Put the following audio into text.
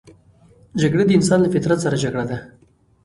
جګړه د انسان له فطرت سره جګړه ده